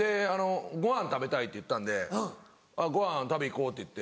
「ごはん食べたい」って言ったんで「ごはん食べ行こう」って言って。